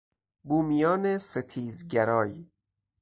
بومیان ستیزگرای